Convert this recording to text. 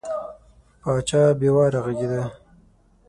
پاچا بې واره غږېده.